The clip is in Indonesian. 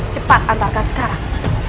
cepat antarkan sekarang